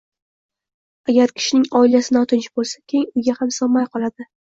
Agar kishining oilasi notinch bo‘lsa, keng uyga ham sig‘may qoladi.